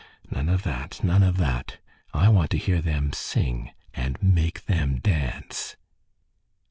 None of that, none of that. I want to hear them sing and make them dance."